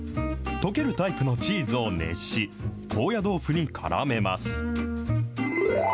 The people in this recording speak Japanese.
溶けるタイプのチーズを熱し、高野豆腐にからめます。